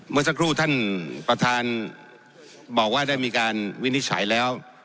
เมื่อสักครู่ท่านประธานบอกว่าได้มีการวินิจฉัยแล้ว